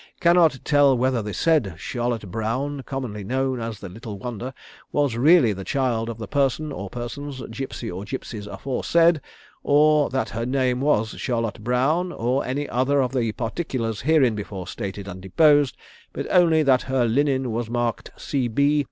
cannot tell whether the said Charlotte Brown, commonly known as the Little Wonder was really the child of the person or persons, gipsy or gipsies aforesaid, or that her name was Charlotte Brown, or any other of the particulars hereinbefore stated and deposed, but only that her linen was marked C. B.